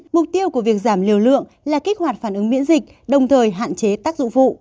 mục tiêu của việc giảm liều lượng là kích hoạt phản ứng miễn dịch đồng thời hạn chế tác dụng vụ